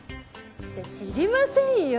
いや知りませんよ。